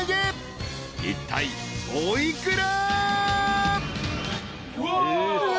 ［いったいお幾ら？］